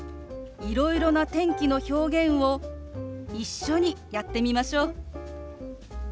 いろいろな天気の表現を一緒にやってみましょう。